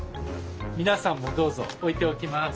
皆さんもどうぞ置いておきます。